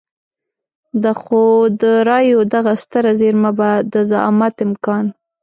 خو د رايو دغه ستره زېرمه به د زعامت امکان.